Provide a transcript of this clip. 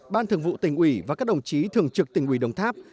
ban thường vụ tỉnh ủy và các đồng chí thường trực tỉnh ủy đồng tháp